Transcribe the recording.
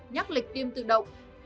nhắc lịch tiêm tự động